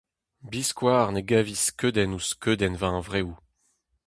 Biskoazh ne gavis skeudenn ouzh skeudenn va hunvreoù.